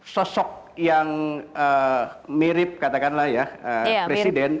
sosok yang mirip katakanlah ya presiden